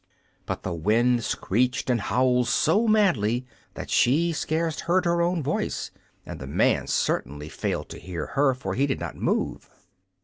But the wind screeched and howled so madly that she scarce heard her own voice, and the man certainly failed to hear her, for he did not move.